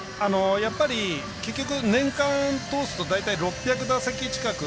やっぱり結局、年間通すと６００打席近く。